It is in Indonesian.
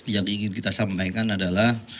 yang ingin kita sampaikan adalah